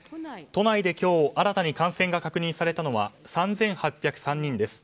都内で今日、新たに感染が確認されたのは３８０３人です。